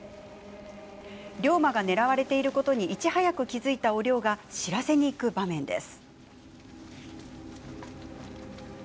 龍馬が狙われていることにいち早く気付いたお龍が知らせに行く場面です。